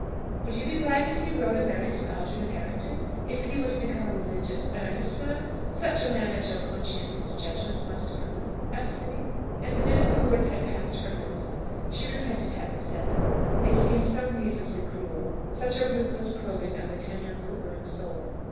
"Would you be glad to see Rhoda married to Algernon Errington if he were to become a religious, earnest man such a man as your conscientious judgment must approve?" asked Minnie. And the minute the words had passed her lips she repented having said them; they seemed so needlessly cruel; such a ruthless probing of a tender, quivering soul.